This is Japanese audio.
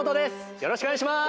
よろしくお願いします！